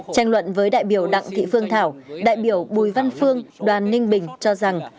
tranh luận với đại biểu đặng thị phương thảo đại biểu bùi văn phương đoàn ninh bình cho rằng